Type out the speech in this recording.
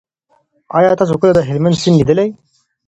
آیا تاسو کله د هلمند سیند لیدلی دی؟